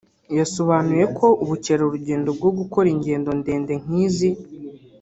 yasobanuye ko ubukerarugendo bwo gukora ingendo ndende nk’izi